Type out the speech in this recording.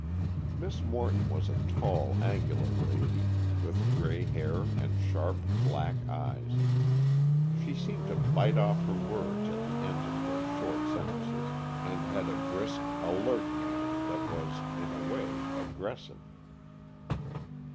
Miss Morton was a tall, angular lady, with gray hair and sharp, black eyes. She seemed to bite off her words at the ends of her short sentences, and had a brisk, alert manner that was, in a way, aggressive.